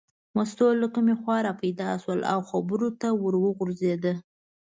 مستو له کومې خوا را پیدا شوه او خبرو ته ور وغورځېده.